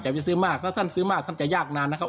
ถ้าท่านซื้อมากท่านจะยากนานนะครับ